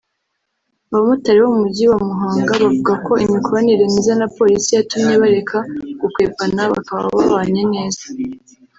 Abamotari bo mu Mujyi wa Muhanga bavuga ko imikoranire myiza na Polisi yatumye bareka gukwepana bakaba babanye neza